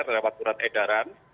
terdapat surat edaran